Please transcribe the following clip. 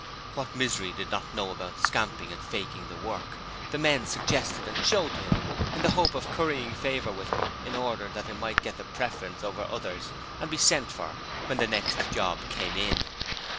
What Misery did not know about scamping and faking the work, the men suggested to and showed him in the hope of currying favour with him in order that they might get the preference over others and be sent for when the next job came in.